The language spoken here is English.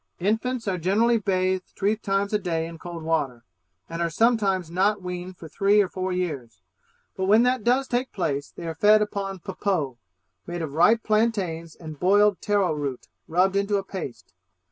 Infants are generally bathed three times a day in cold water, and are sometimes not weaned for three or four years; but when that does take place, they are fed upon 'popoe,' made of ripe plantains and boiled taro root rubbed into a paste.